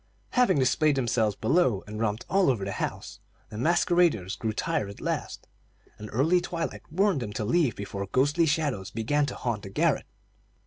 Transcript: Having displayed themselves below and romped all over the house, the masqueraders grew tired at last, and early twilight warned them to leave before ghostly shadows began to haunt the garret.